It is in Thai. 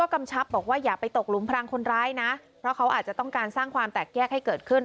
กำชับบอกว่าอย่าไปตกหลุมพลังคนร้ายนะเพราะเขาอาจจะต้องการสร้างความแตกแยกให้เกิดขึ้น